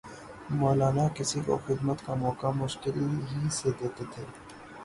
مولانا کسی کو خدمت کا موقع مشکل ہی سے دیتے تھے